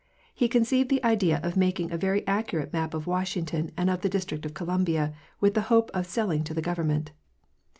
He conceived the idea of making a very accurate map of Washington and of the District of Columbia, with the hope of selling to the Government.